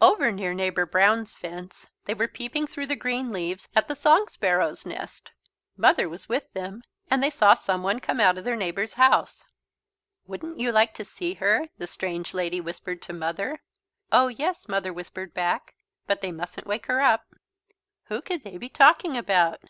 Over near Neighbour Brown's fence they were peeping through the green leaves at the song sparrow's nest. Mother was with them and they saw someone come out of their neighbour's house. "Wouldn't you like to see her?" the strange lady whispered to Mother. "Oh yes," Mother whispered back, "but they mustn't wake her up." Who could they be talking about?